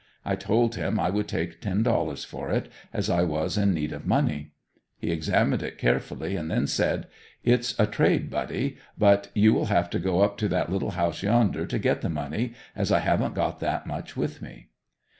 I told him I would take ten dollars for it, as I was in need of money. He examined it carefully and then said: "It's a trade buddy, but you will have to go up to that little house yonder, to get the money, as I havn't got that much with me."